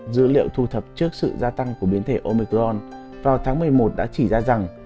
dữ liệu thu thập trước sự gia tăng của biến thể omicron vào tháng một mươi một đã chỉ ra rằng